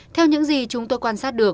theo những gì chúng tôi quan sát được